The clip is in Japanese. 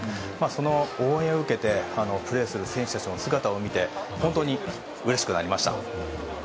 その応援を受けてプレーする選手たちの姿を見て本当にうれしくなりました。